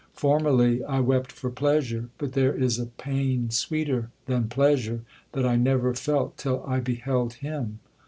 Formerly I wept for pleasure—but there is a pain sweeter than pleasure, that I never felt till I beheld him.